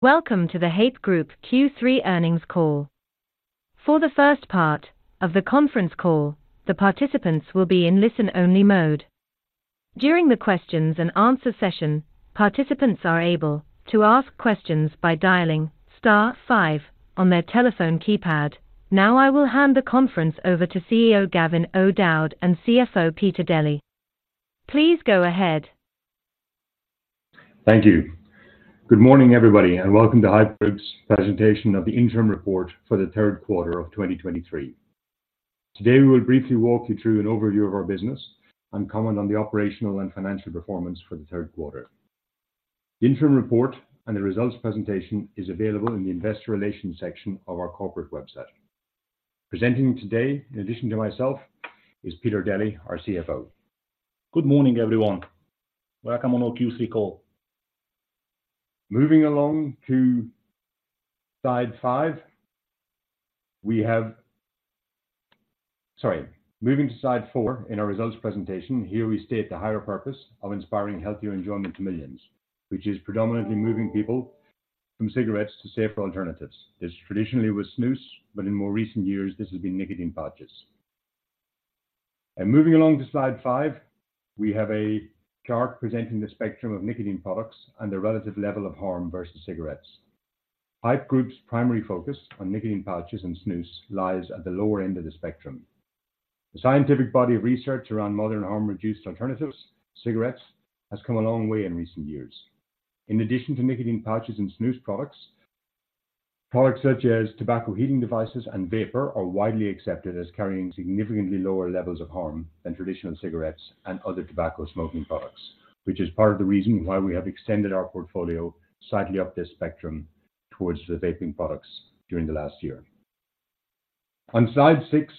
Welcome to the Haypp Group Q3 earnings call. For the first part of the conference call, the participants will be in listen-only mode. During the questions and answer session, participants are able to ask questions by dialing star five on their telephone keypad. Now, I will hand the conference over to CEO Gavin O'Dowd and CFO Peter Deli. Please go ahead. Thank you. Good morning, everybody, and welcome to Haypp Group's presentation of the interim report for the Q3 of 2023. Today, we will briefly walk you through an overview of our business and comment on the operational and financial performance for the Q3. The interim report and the results presentation is available in the investor relations section of our corporate website. Presenting today, in addition to myself, is Peter Deli, our CFO. Good morning, everyone. Welcome on our Q3 call. Moving along to slide five, we have. Sorry, moving to slide four in our results presentation. Here we state the higher purpose of inspiring healthier enjoyment to millions, which is predominantly moving people from cigarettes to safer alternatives. This traditionally was snus, but in more recent years, this has been nicotine pouches. And moving along to slide five, we have a chart presenting the spectrum of nicotine products and the relative level of harm versus cigarettes. Haypp Group's primary focus on nicotine pouches and snus lies at the lower end of the spectrum. The scientific body of research around modern harm-reduced alternatives, cigarettes, has come a long way in recent years. In addition to nicotine pouches and snus products, products such as tobacco heating devices and vapor are widely accepted as carrying significantly lower levels of harm than traditional cigarettes and other tobacco smoking products, which is part of the reason why we have extended our portfolio slightly up this spectrum towards the vaping products during the last year. On slide 6,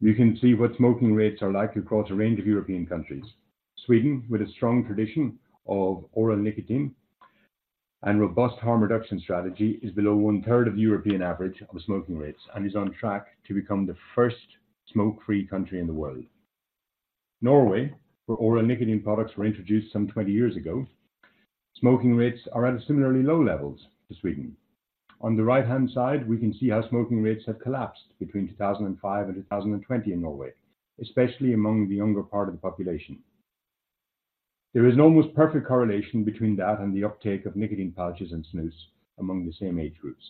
you can see what smoking rates are like across a range of European countries. Sweden, with a strong tradition of oral nicotine and robust harm reduction strategy, is below one-third of the European average of smoking rates and is on track to become the first smoke-free country in the world. Norway, where oral nicotine products were introduced some 20 years ago, smoking rates are at similarly low levels to Sweden. On the right-hand side, we can see how smoking rates have collapsed between 2005 and 2020 in Norway, especially among the younger part of the population. There is an almost perfect correlation between that and the uptake of nicotine pouches and snus among the same age groups.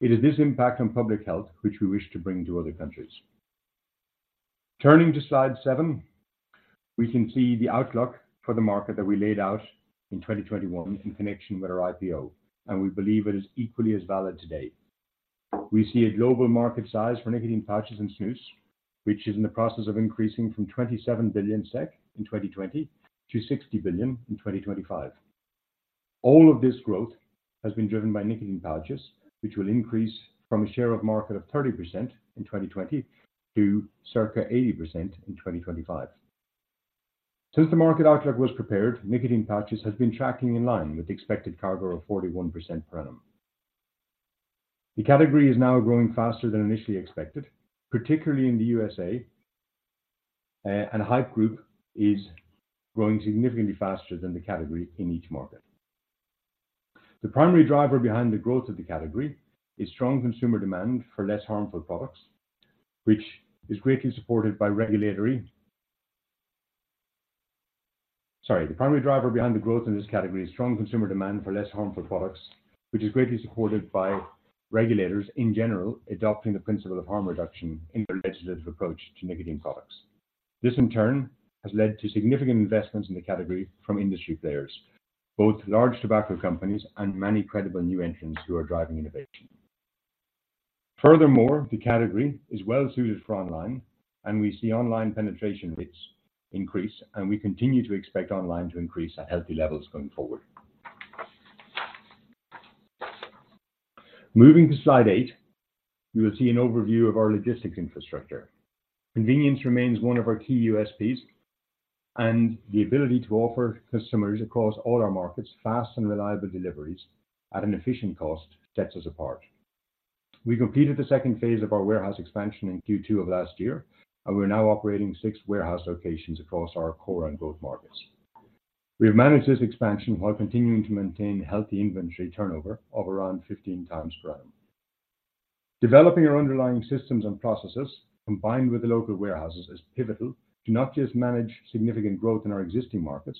It is this impact on public health which we wish to bring to other countries. Turning to slide seven, we can see the outlook for the market that we laid out in 2021 in connection with our IPO, and we believe it is equally as valid today. We see a global market size for nicotine pouches and snus, which is in the process of increasing from 27 billion SEK in 2020 to 60 billion in 2025. All of this growth has been driven by nicotine pouches, which will increase from a share of market of 30% in 2020 to circa 80% in 2025. Since the market outlook was prepared, nicotine pouches has been tracking in line with the expected CAGR of 41% per annum. The category is now growing faster than initially expected, particularly in the USA, and Haypp Group is growing significantly faster than the category in each market. The primary driver behind the growth in this category is strong consumer demand for less harmful products, which is greatly supported by regulators in general adopting the principle of harm reduction in their legislative approach to nicotine products. This, in turn, has led to significant investments in the category from industry players, both large tobacco companies and many credible new entrants who are driving innovation. Furthermore, the category is well suited for online, and we see online penetration rates increase, and we continue to expect online to increase at healthy levels going forward. Moving to slide 8, you will see an overview of our logistics infrastructure. Convenience remains one of our key USPs, and the ability to offer customers across all our markets fast and reliable deliveries at an efficient cost sets us apart. We completed the second phase of our warehouse expansion in Q2 of last year, and we're now operating 6 warehouse locations across our core and growth markets. We have managed this expansion while continuing to maintain healthy inventory turnover of around 15 times per annum. Developing our underlying systems and processes, combined with the local warehouses, is pivotal to not just manage significant growth in our existing markets,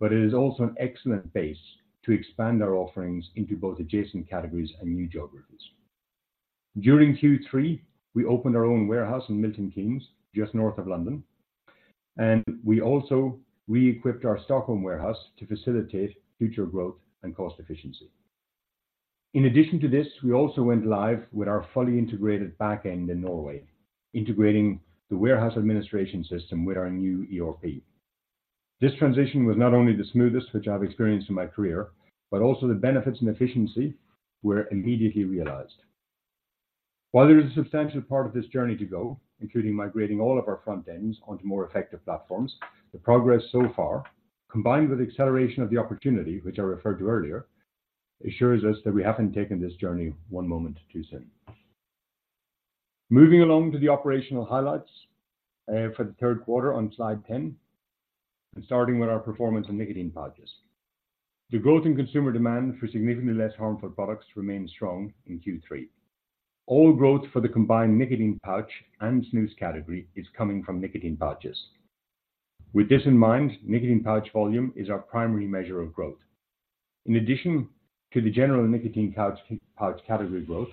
but it is also an excellent base to expand our offerings into both adjacent categories and new geographies. During Q3, we opened our own warehouse in Milton Keynes, just north of London, and we also reequipped our Stockholm warehouse to facilitate future growth and cost efficiency. In addition to this, we also went live with our fully integrated back end in Norway, integrating the warehouse administration system with our new ERP. This transition was not only the smoothest, which I've experienced in my career, but also the benefits and efficiency were immediately realized. While there is a substantial part of this journey to go, including migrating all of our front ends onto more effective platforms, the progress so far, combined with acceleration of the opportunity, which I referred to earlier, assures us that we haven't taken this journey one moment too soon. Moving along to the operational highlights for the Q3 on slide 10, and starting with our performance in nicotine pouches. The growth in consumer demand for significantly less harmful products remained strong in Q3. All growth for the combined nicotine pouch and snus category is coming from nicotine pouches. With this in mind, nicotine pouch volume is our primary measure of growth. In addition to the general nicotine pouch, pouch category growth,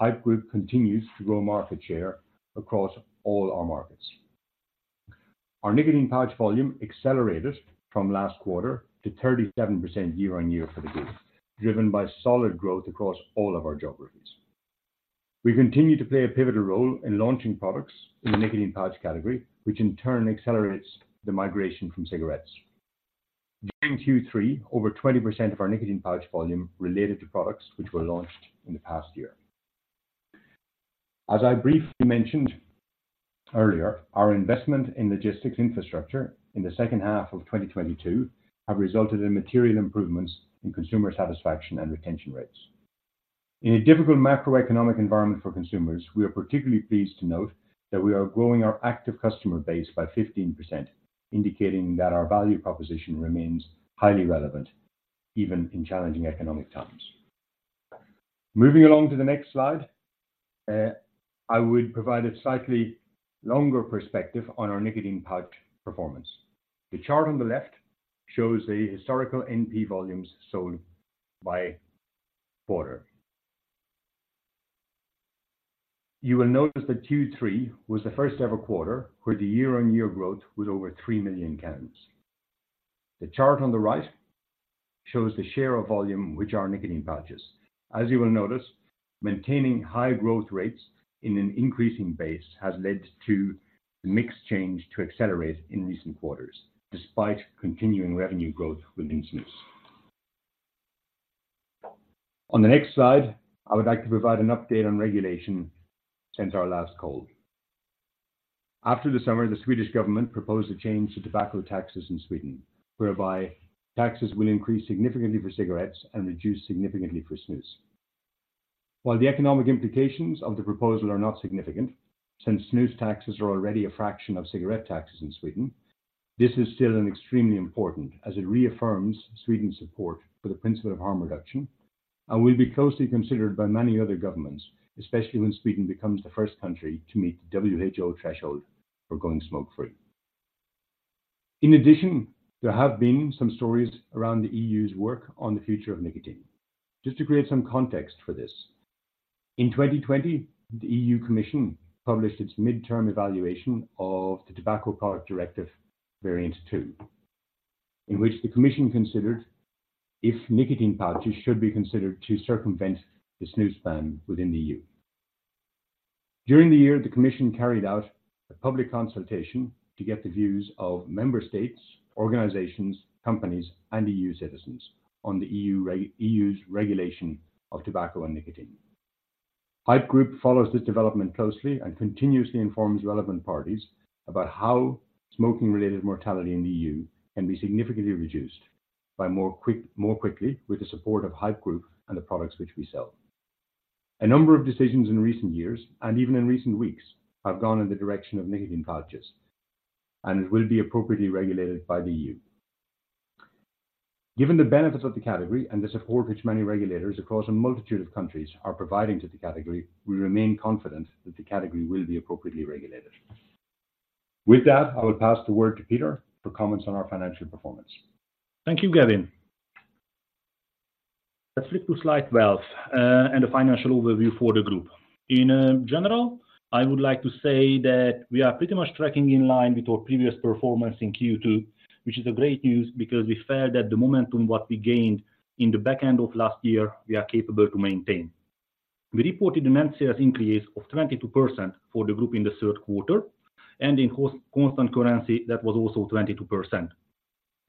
Haypp Group continues to grow market share across all our markets. Our nicotine pouch volume accelerated from last quarter to 37% year-on-year for the group, driven by solid growth across all of our geographies. We continue to play a pivotal role in launching products in the nicotine pouch category, which in turn accelerates the migration from cigarettes. During Q3, over 20% of our nicotine pouch volume related to products, which were launched in the past year. As I briefly mentioned earlier, our investment in logistics infrastructure in the second half of 2022 have resulted in material improvements in consumer satisfaction and retention rates. In a difficult macroeconomic environment for consumers, we are particularly pleased to note that we are growing our active customer base by 15%, indicating that our value proposition remains highly relevant, even in challenging economic times. Moving along to the next slide, I would provide a slightly longer perspective on our nicotine pouch performance. The chart on the left shows the historical NP volumes sold by quarter. You will notice that Q3 was the first ever quarter, where the year-on-year growth was over 3 million counts. The chart on the right shows the share of volume, which are nicotine pouches. As you will notice, maintaining high growth rates in an increasing base has led to the mix change to accelerate in recent quarters, despite continuing revenue growth within snus. On the next slide, I would like to provide an update on regulation since our last call. After the summer, the Swedish government proposed a change to tobacco taxes in Sweden, whereby taxes will increase significantly for cigarettes and reduce significantly for snus. While the economic implications of the proposal are not significant, since snus taxes are already a fraction of cigarette taxes in Sweden, this is still extremely important as it reaffirms Sweden's support for the principle of harm reduction, and will be closely considered by many other governments, especially when Sweden becomes the first country to meet the WHO threshold for going smoke-free. In addition, there have been some stories around the EU's work on the future of nicotine. Just to create some context for this, in 2020, the European Commission published its midterm evaluation of the Tobacco Products Directive TPD2, in which the Commission considered if nicotine pouches should be considered to circumvent the snus ban within the EU. During the year, the Commission carried out a public consultation to get the views of member states, organizations, companies, and EU citizens on the EU's regulation of tobacco and nicotine. Haypp Group follows this development closely and continuously informs relevant parties about how smoking-related mortality in the EU can be significantly reduced more quickly with the support of Haypp Group and the products which we sell. A number of decisions in recent years, and even in recent weeks, have gone in the direction of nicotine pouches, and it will be appropriately regulated by the EU. Given the benefits of the category and the support which many regulators across a multitude of countries are providing to the category, we remain confident that the category will be appropriately regulated. With that, I will pass the word to Peter for comments on our financial performance. Thank you, Gavin. Let's flip to slide 12 and the financial overview for the group. In general, I would like to say that we are pretty much tracking in line with our previous performance in Q2, which is great news because we felt that the momentum, what we gained in the back end of last year, we are capable to maintain. We reported net sales increase of 22% for the group in the Q3, and in constant currency, that was also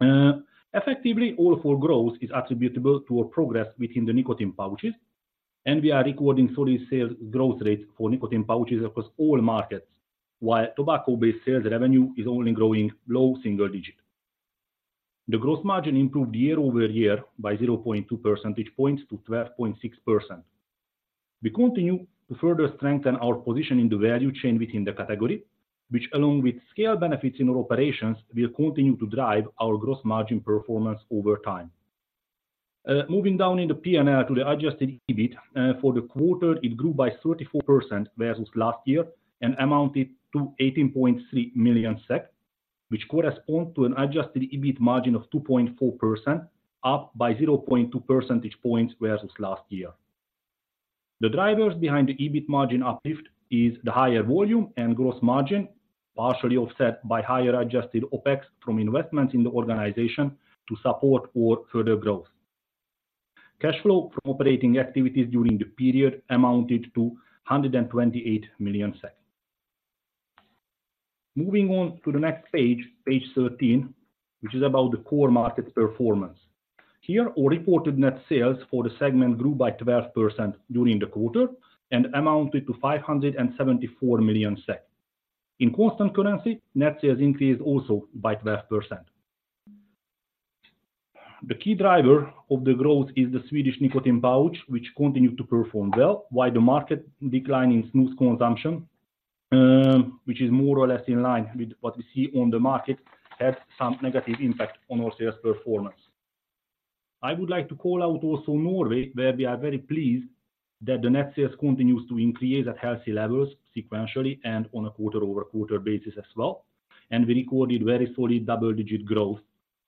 22%. Effectively, all of our growth is attributable to our progress within the nicotine pouches, and we are recording solid sales growth rate for nicotine pouches across all markets, while tobacco-based sales revenue is only growing low single digit. The gross margin improved year-over-year by 0.2 percentage points to 12.6%. We continue to further strengthen our position in the value chain within the category, which, along with scale benefits in our operations, will continue to drive our gross margin performance over time. Moving down in the P&L to the adjusted EBIT. For the quarter, it grew by 34% versus last year and amounted to 18.3 million SEK, which correspond to an adjusted EBIT margin of 2.4%, up by 0.2 percentage points versus last year. The drivers behind the EBIT margin uplift is the higher volume and gross margin, partially offset by higher adjusted OpEx from investments in the organization to support our further growth. Cash flow from operating activities during the period amounted to 128 million. Moving on to the next page, page thirteen, which is about the core market performance. Here, our reported net sales for the segment grew by 12% during the quarter and amounted to 574 million SEK. In constant currency, net sales increased also by 12%. The key driver of the growth is the Swedish nicotine pouch, which continued to perform well, while the market decline in snus consumption, which is more or less in line with what we see on the market, had some negative impact on our sales performance. I would like to call out also Norway, where we are very pleased that the net sales continues to increase at healthy levels sequentially and on a quarter-over-quarter basis as well, and we recorded very solid double-digit growth,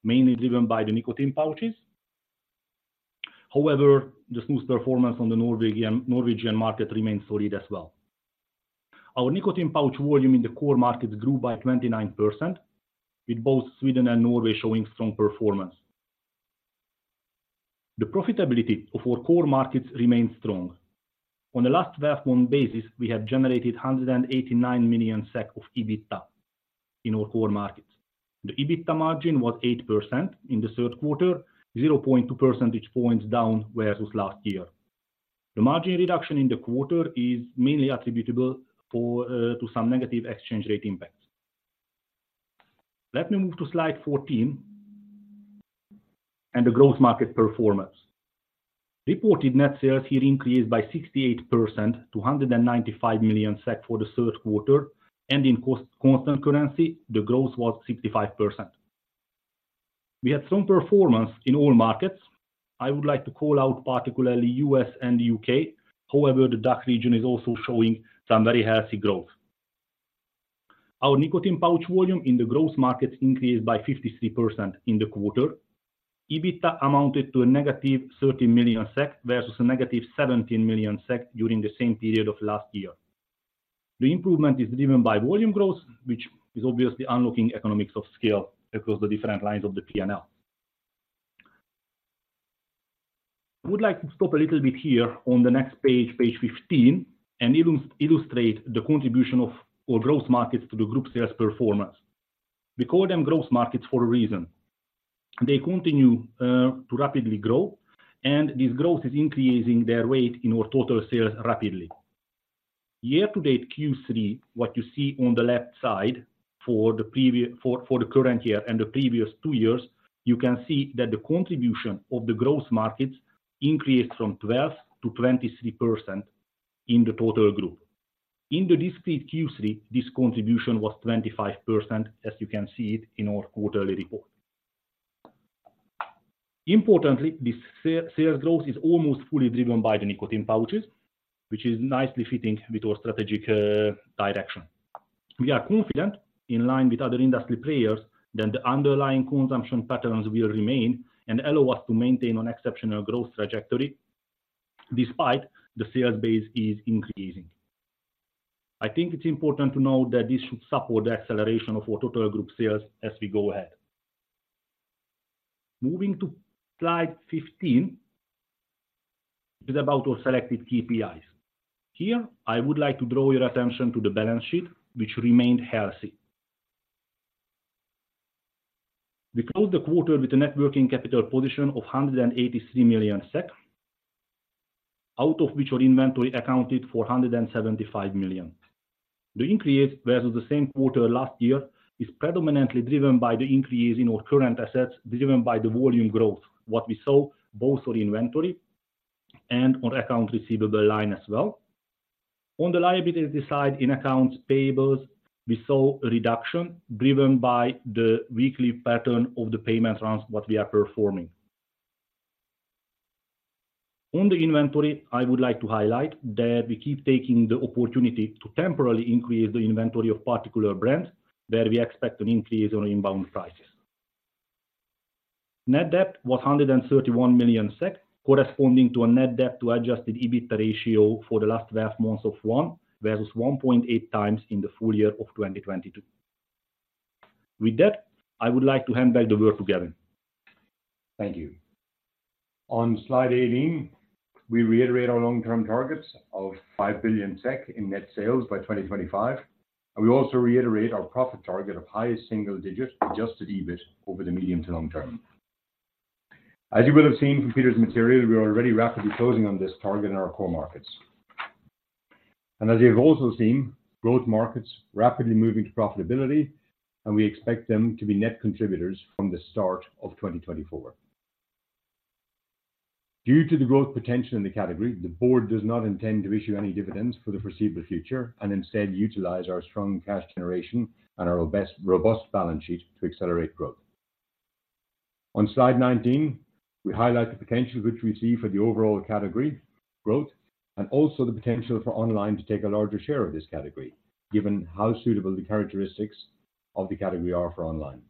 mainly driven by the nicotine pouches. However, the snus performance on the Norwegian market remains solid as well. Our nicotine pouch volume in the core markets grew by 29%, with both Sweden and Norway showing strong performance. The profitability of our core markets remains strong. On the last twelve-month basis, we have generated 189 million SEK of EBITDA in our core markets. The EBITDA margin was 8% in the Q3, 0.2 percentage points down versus last year. The margin reduction in the quarter is mainly attributable for to some negative exchange rate impacts. Let me move to slide 14 and the growth market performance. Reported net sales here increased by 68% to 195 million SEK for the Q3, and in constant-currency, the growth was 65%. We had some performance in all markets. I would like to call out particularly US and the UK. However, the DACH region is also showing some very healthy growth. Our nicotine pouch volume in the growth markets increased by 53% in the quarter. EBITDA amounted to a negative 13 million SEK versus a negative 17 million SEK during the same period of last year. The improvement is driven by volume growth, which is obviously unlocking economics of scale across the different lines of the P&L. I would like to stop a little bit here on the next page, page 15, and illustrate the contribution of our growth markets to the group sales performance. We call them growth markets for a reason. They continue to rapidly grow, and this growth is increasing their weight in our total sales rapidly. Year to date, Q3, what you see on the left side for the prev... For the current year and the previous two years, you can see that the contribution of the growth markets increased from 12%-23% in the total group. In the discrete Q3, this contribution was 25%, as you can see it in our quarterly report. Importantly, this sales growth is almost fully driven by the nicotine pouches, which is nicely fitting with our strategic direction. We are confident, in line with other industry players, that the underlying consumption patterns will remain and allow us to maintain an exceptional growth trajectory despite the sales base is increasing. I think it's important to note that this should support the acceleration of our total group sales as we go ahead. Moving to slide 15, is about our selected KPIs. Here, I would like to draw your attention to the balance sheet, which remained healthy. We closed the quarter with a net working capital position of 183 million SEK, out of which our inventory accounted for 175 million. The increase versus the same quarter last year is predominantly driven by the increase in our current assets, driven by the volume growth, what we saw both on inventory and on accounts receivable line as well. On the liabilities side, in accounts payable, we saw a reduction driven by the weekly pattern of the payment rounds, what we are performing. On the inventory, I would like to highlight that we keep taking the opportunity to temporarily increase the inventory of particular brands, where we expect an increase on inbound prices. Net debt was 131 million SEK, corresponding to a net debt to adjusted EBITDA ratio for the last twelve months of 1, versus 1.8 times in the full year of 2022. With that, I would like to hand back the word to Gavin. Thank you. On slide 18, we reiterate our long-term targets of 5 billion SEK in net sales by 2025, and we also reiterate our profit target of highest single digits adjusted EBIT over the medium to long term. As you will have seen from Peter's material, we are already rapidly closing on this target in our core markets. And as you have also seen, growth markets rapidly moving to profitability, and we expect them to be net contributors from the start of 2024. Due to the growth potential in the category, the board does not intend to issue any dividends for the foreseeable future and instead utilize our strong cash generation and our robust balance sheet to accelerate growth. On slide 19, we highlight the potential which we see for the overall category growth, and also the potential for online to take a larger share of this category, given how suitable the characteristics of the category are for online.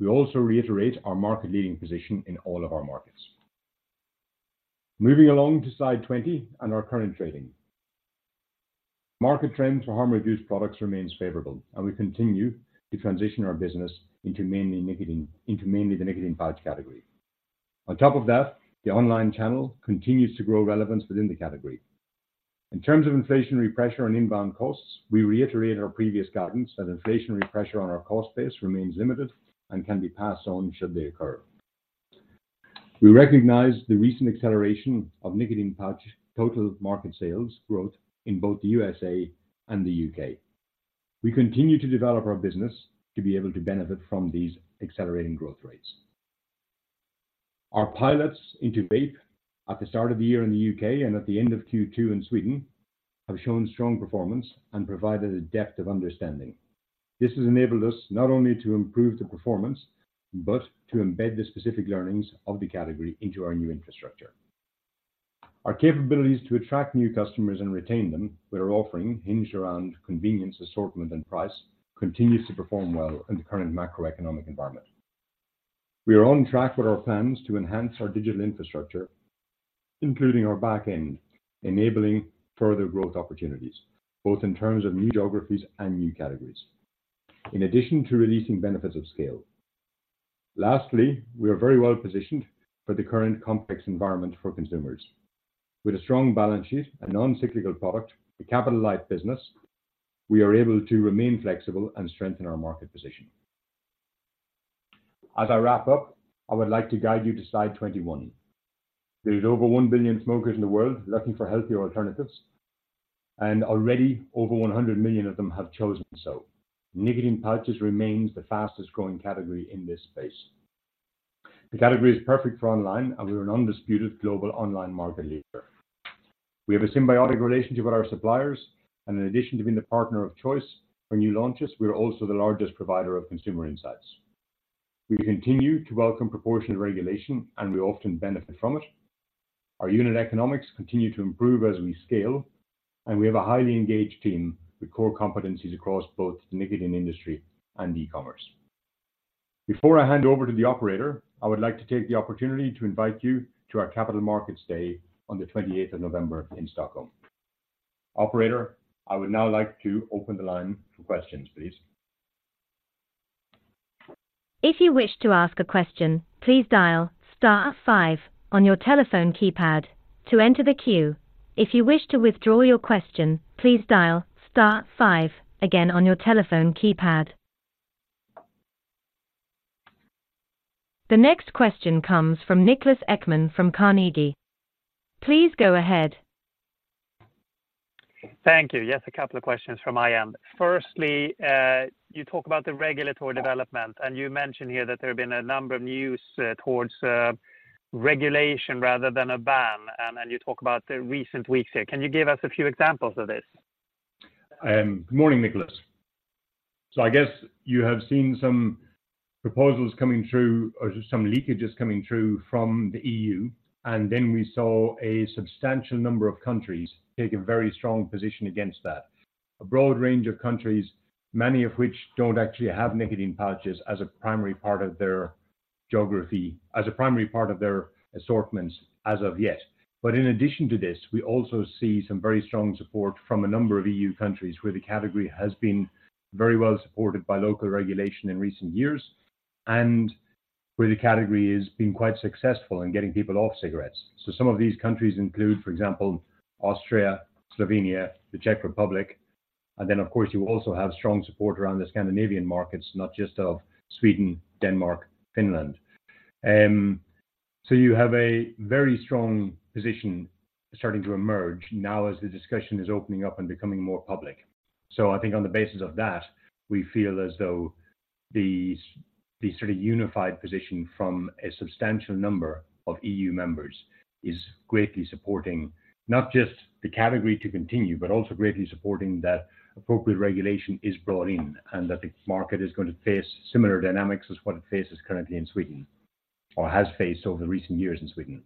We also reiterate our market-leading position in all of our markets. Moving along to slide 20 and our current trading. Market trend for harm-reduced products remains favorable, and we continue to transition our business into mainly nicotine, into mainly the nicotine pouch category. On top of that, the online channel continues to grow relevance within the category. In terms of inflationary pressure on inbound costs, we reiterate our previous guidance that inflationary pressure on our cost base remains limited and can be passed on should they occur. We recognize the recent acceleration of nicotine pouch total market sales growth in both the U.S.A. and the U.K. We continue to develop our business to be able to benefit from these accelerating growth rates. Our pilots into vape at the start of the year in the U.K. and at the end of Q2 in Sweden, have shown strong performance and provided a depth of understanding. This has enabled us not only to improve the performance, but to embed the specific learnings of the category into our new infrastructure. Our capabilities to attract new customers and retain them with our offering, hinged around convenience, assortment, and price, continues to perform well in the current macroeconomic environment. We are on track with our plans to enhance our digital infrastructure, including our back end, enabling further growth opportunities, both in terms of new geographies and new categories, in addition to releasing benefits of scale. Lastly, we are very well positioned for the current complex environment for consumers. With a strong balance sheet, a non-cyclical product, a capital light business, we are able to remain flexible and strengthen our market position. As I wrap up, I would like to guide you to slide 21. There is over 1 billion smokers in the world looking for healthier alternatives, and already over 100 million of them have chosen so. Nicotine pouches remains the fastest growing category in this space. The category is perfect for online, and we are an undisputed global online market leader. We have a symbiotic relationship with our suppliers, and in addition to being the partner of choice for new launches, we are also the largest provider of consumer insights. We continue to welcome proportionate regulation, and we often benefit from it. Our unit economics continue to improve as we scale, and we have a highly engaged team with core competencies across both the nicotine industry and e-commerce. Before I hand over to the operator, I would like to take the opportunity to invite you to our Capital Markets Day on the 28th of November in Stockholm. Operator, I would now like to open the line for questions, please. If you wish to ask a question, please dial star five on your telephone keypad to enter the queue. If you wish to withdraw your question, please dial star five again on your telephone keypad. The next question comes from Niklas Ekman from Carnegie. Please go ahead. Thank you. Yes, a couple of questions from my end. Firstly, you talk about the regulatory development, and you mentioned here that there have been a number of news towards regulation rather than a ban, and you talk about the recent weeks here. Can you give us a few examples of this? Good morning, Niklas. So I guess you have seen some proposals coming through or some leakages coming through from the EU, and then we saw a substantial number of countries take a very strong position against that. A broad range of countries, many of which don't actually have nicotine pouches as a primary part of their geography, as a primary part of their assortments as of yet. But in addition to this, we also see some very strong support from a number of EU countries, where the category has been very well supported by local regulation in recent years, and where the category has been quite successful in getting people off cigarettes. So some of these countries include, for example, Austria, Slovenia, the Czech Republic, and then, of course, you also have strong support around the Scandinavian markets, not just of Sweden, Denmark, Finland. You have a very strong position starting to emerge now as the discussion is opening up and becoming more public. I think on the basis of that, we feel as though the sort of unified position from a substantial number of E.U. members is greatly supporting not just the category to continue, but also greatly supporting that appropriate regulation is brought in, and that the market is going to face similar dynamics as what it faces currently in Sweden, or has faced over the recent years in Sweden.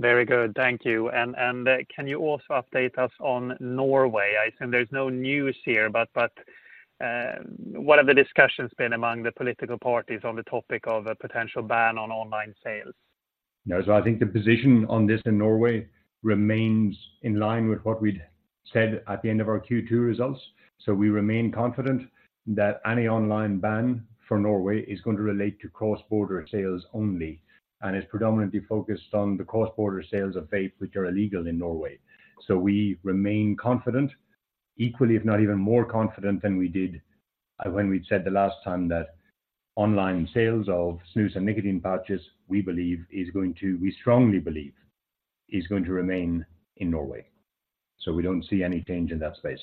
Very good. Thank you, and, and can you also update us on Norway? I think there's no news here, but, but, what have the discussions been among the political parties on the topic of a potential ban on online sales? No, so I think the position on this in Norway remains in line with what we'd said at the end of our Q2 results. So we remain confident that any online ban for Norway is going to relate to cross-border sales only, and is predominantly focused on the cross-border sales of vapes, which are illegal in Norway. So we remain confident, equally, if not even more confident than we did when we'd said the last time, that online sales of snus and nicotine pouches, we believe strongly believe is going to remain in Norway, so we don't see any change in that space.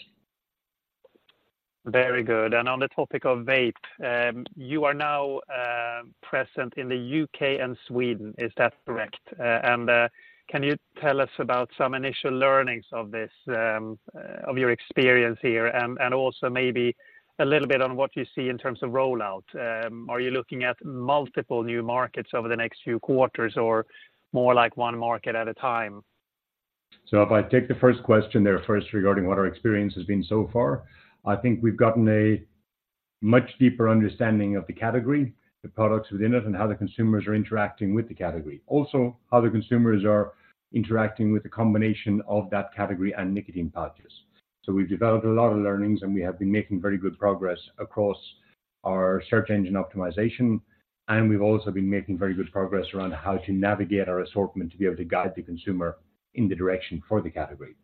Very good. On the topic of vape, you are now present in the U.K. and Sweden. Is that correct? Can you tell us about some initial learnings of this, of your experience here, and, and also maybe a little bit on what you see in terms of rollout? Are you looking at multiple new markets over the next few quarters or more like one market at a time? So if I take the first question there first, regarding what our experience has been so far, I think we've gotten a much deeper understanding of the category, the products within it, and how the consumers are interacting with the category. Also, how the consumers are interacting with the combination of that category and nicotine pouches. So we've developed a lot of learnings, and we have been making very good progress across our search engine optimization, and we've also been making very good progress around how to navigate our assortment to be able to guide the consumer in the direction for the category.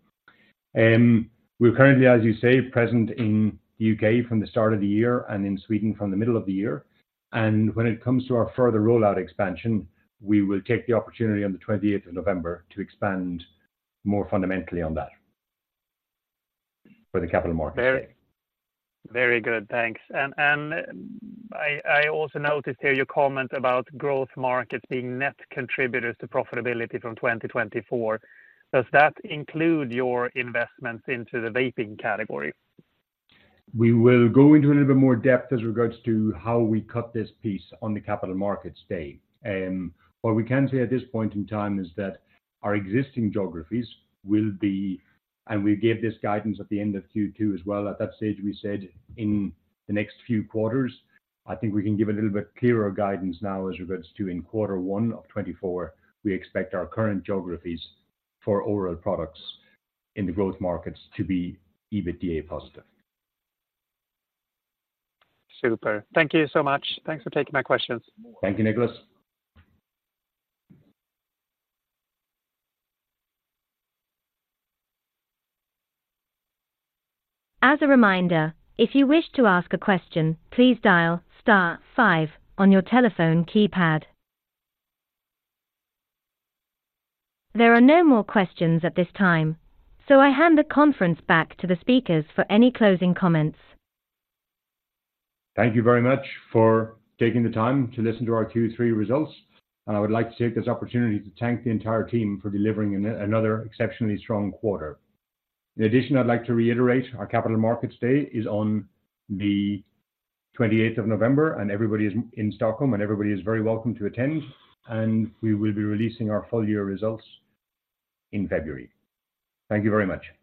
We're currently, as you say, present in U.K. from the start of the year and in Sweden from the middle of the year. When it comes to our further rollout expansion, we will take the opportunity on the 28th of November to expand more fundamentally on that for the Capital Markets Day. Very good, thanks. And I also noticed here your comment about growth markets being net contributors to profitability from 2024. Does that include your investments into the vaping category? We will go into a little bit more depth as regards to how we cut this piece on the Capital Markets Day. What we can say at this point in time is that our existing geographies will be, and we gave this guidance at the end of Q2 as well. At that stage, we said in the next few quarters, I think we can give a little bit clearer guidance now as regards to in Q1 of 2024, we expect our current geographies for oral products in the growth markets to be EBITDA positive. Super. Thank you so much. Thanks for taking my questions. Thank you, Niklas. As a reminder, if you wish to ask a question, please dial star five on your telephone keypad. There are no more questions at this time, so I hand the conference back to the speakers for any closing comments. Thank you very much for taking the time to listen to our Q3 results, and I would like to take this opportunity to thank the entire team for delivering another exceptionally strong quarter. In addition, I'd like to reiterate our Capital Markets Day is on the 28th of November, and everybody is in Stockholm, and everybody is very welcome to attend, and we will be releasing our full year results in February. Thank you very much.